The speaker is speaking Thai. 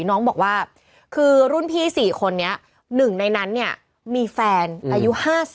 น้องบอกว่าลุ้นผี๔คนหนึ่งในนั้นมีแฟนอายุ๕๐